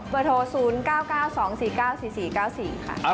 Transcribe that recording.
เบอร์โทร๐๙๙๒๔๙๔๔๙๔ค่ะ